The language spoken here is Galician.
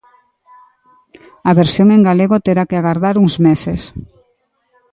A versión en galego terá que agardar uns meses.